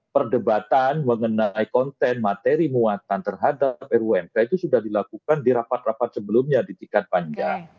perdebatan mengenai konten materi muatan terhadap rumk itu sudah dilakukan di rapat rapat sebelumnya di tingkat panjang